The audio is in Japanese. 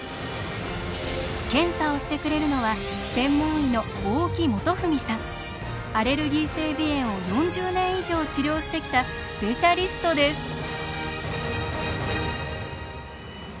検査をしてくれるのは専門医のアレルギー性鼻炎を４０年以上治療してきたスペシャリストです。